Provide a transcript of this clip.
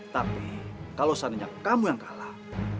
tapi kalau seandainya kamu yang kalah